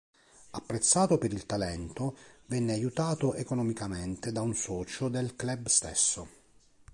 Apprezzato per il talento, venne aiutato economicamente da un socio del club stesso.